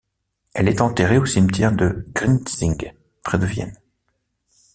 Elle est enterrée au cimetière de Grinzing, près de Vienne.